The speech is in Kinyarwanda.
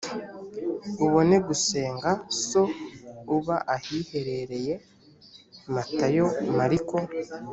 ubone gusenga so uba ahiherereye matayo mariko